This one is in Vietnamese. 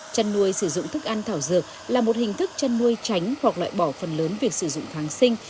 chăn nuôi sử dụng thức ăn thảo dược là một hình thức chăn nuôi tránh hoặc loại bỏ phần lớn việc sử dụng kháng sinh